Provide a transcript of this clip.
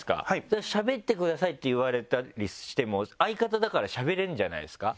「しゃべってください」って言われたりしても相方だからしゃべれるんじゃないですか？